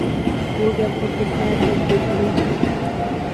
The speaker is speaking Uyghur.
بۇ گەپ خۇددى ھەرىدەك يۈرىكىمنى چاقتى.